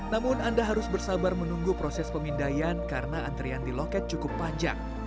namun anda harus bersabar menunggu proses pemindaian karena antrian di loket cukup panjang